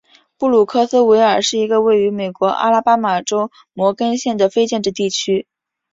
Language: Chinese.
布鲁克斯维尔是一个位于美国阿拉巴马州摩根县的非建制地区。